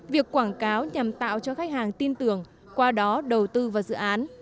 việc quảng cáo nhằm tạo cho khách hàng tin tưởng qua đó đầu tư vào dự án